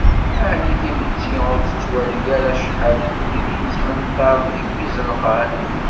Ɛni timetti ur tettwali ara acḥal n wid i yettmenṭaren deg yizenqan,?